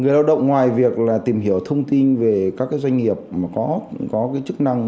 người lao động ngoài việc là tìm hiểu thông tin về các doanh nghiệp mà có chức năng